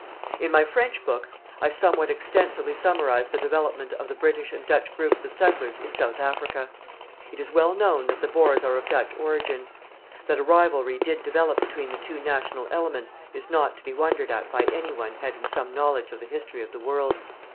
In my French book, I somewhat extensively summarized the development of the British and Dutch groups of settlers in South Africa. It is well known that the Boers are of Dutch origin. That a rivalry did develop between the two national elements, is not to be wondered at by any one having some knowledge of the history of the world.